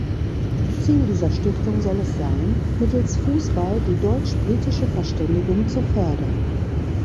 Ziel dieser Stiftung soll es sein, mittels Fußball die deutsch-britische Verständigung zu fördern.